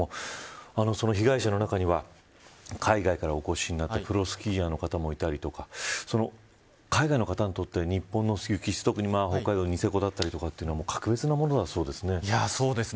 その被害者の中には海外からお越しになったプロスキーヤーの方もいたりとか海外の方にとって日本の雪質特に北海道ニセコだったりは格別だそうですね。